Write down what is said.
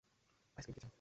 Ice cream কে চায়?